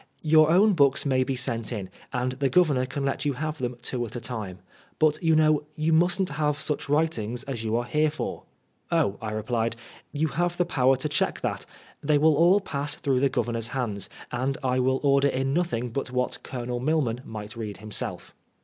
Your own books may be sent in, and the Governor can let you have them two at a time. But, you know, you mustn^t have such writings as you are here for." " Oh," I replied, " you have the power to check that. They will all pass through the Oovernor's hands, and I will order in nothing but what Colonel Milman might read himself."